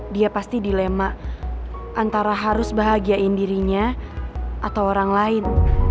dia pasti dilema antara harus bahagiain dirinya atau orang lain